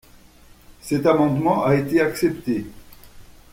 Cet amendement a été accepté.